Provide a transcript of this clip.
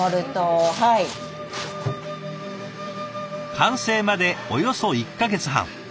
完成までおよそ１か月半。